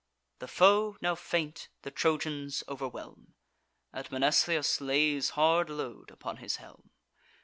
The foe, now faint, the Trojans overwhelm; And Mnestheus lays hard load upon his helm.